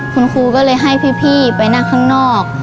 คุณครูก็เลยให้พี่ไปนั่งข้างนอก